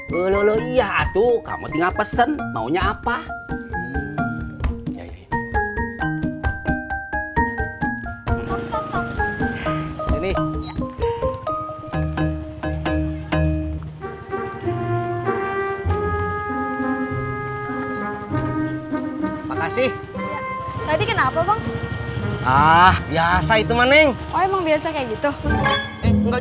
kita pesen maunya apa ini makasih tadi kenapa ah biasa itu mening emang biasa kayak gitu enggak